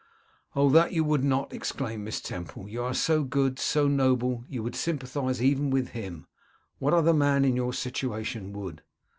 'Oh, that you would not!' exclaimed Miss Temple. 'You are so good, so noble! You would sympathise even with him. What other man in your situation would?